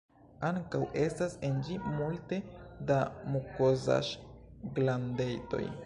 Ankaŭ estas en ĝi multe da mukozaĵ-glandetoj.